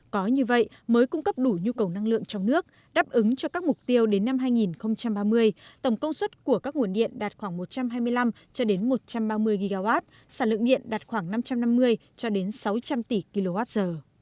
có như vậy mới cung cấp đủ nhu cầu năng lượng trong nước đáp ứng cho các mục tiêu đến năm hai nghìn ba mươi tổng công suất của các nguồn điện đạt khoảng một trăm hai mươi năm một trăm ba mươi gigawatt sản lượng điện đạt khoảng năm trăm năm mươi cho đến sáu trăm linh tỷ kwh